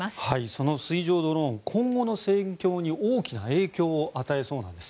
その水上ドローン今後の戦況に大きな影響を与えそうなんです。